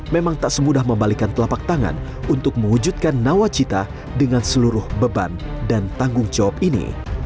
memang tak semudah membalikan telapak tangan untuk mewujudkan nawacita dengan seluruh beban dan tanggung jawab ini